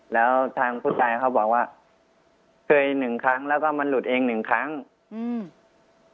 แล้วทางผู้ตายเขาบอกว่าเคยหนึ่งครั้งแล้วก็มันหลุดเองหนึ่งครั้งอืม